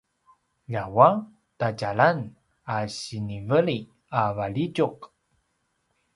ljawua tadjalan a siniveli a valjitjuq